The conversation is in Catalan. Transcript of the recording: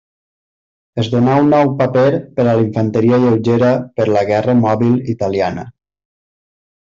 Es donà un nou paper per a la infanteria lleugera per la guerra mòbil italiana.